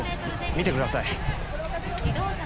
見てください。